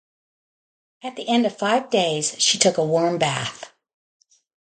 At the end of five days she took a warm bath.